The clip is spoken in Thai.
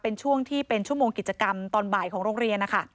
เป็นช่วงที่เป็นชั่วโมงกิจกรรมตอนบ่ายของโรงเรียนนะคะ